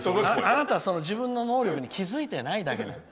あなた、自分の能力に気付いてないだけ。